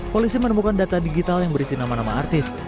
polisi menemukan data digital yang berisi nama nama artis